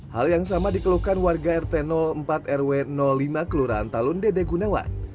hal yang sama dikeluhkan warga rt empat rw lima kelurahan talun dede gunawan